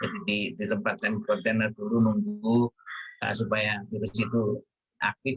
jadi di tempat kontainer dulu mungkuk supaya virus itu aktif